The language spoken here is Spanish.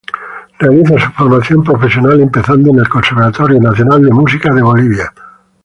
Realiza su formación profesional empezando en el Conservatorio Nacional de Música de Bolivia.